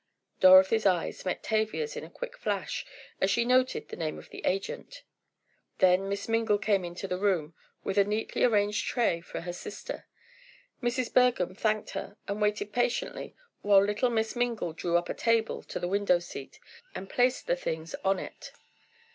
Dorothy's eyes met Tavia's in a quick flash, as she noted the name of the agent. Then Miss Mingle came into the room with a neatly arranged tray for her sister. Mrs. Bergham thanked her and waited patiently while little Miss Mingle drew up a table to the window seat and placed the things on it.